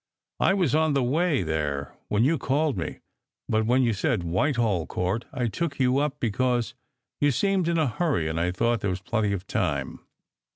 I was on the way there when you called me; but when you said * Whitehall Court/ I took you up because you seemed in a hurry and I thought there was plenty of time.